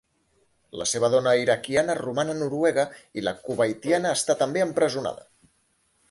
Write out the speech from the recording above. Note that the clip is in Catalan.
La seva dona iraquiana roman a Noruega i la kuwaitiana està també empresonada.